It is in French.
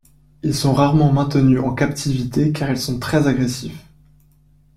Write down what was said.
Ils sont rarement maintenus en captivité car ils sont très agressifs.